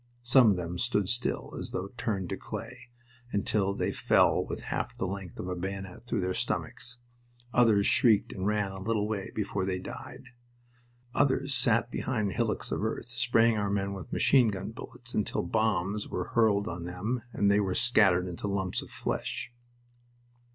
Some of them stood still, as though turned to clay, until they fell with half the length of a bayonet through their stomachs. Others shrieked and ran a little way before they died. Others sat behind hillocks of earth, spraying our men with machine gun bullets until bombs were hurled on them and they were scattered into lumps of flesh.